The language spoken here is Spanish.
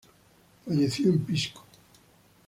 Falleció en Pisco.